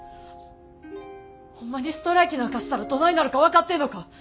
ホンマにストライキなんかしたらどないなるか分かってんのか！？